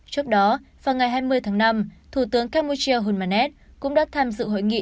trước đó vào ngày hai mươi tháng năm thủ tướng campuchia hulmanet cũng đã tham dự hội nghị